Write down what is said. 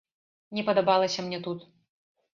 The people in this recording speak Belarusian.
Не падабалася мне тут.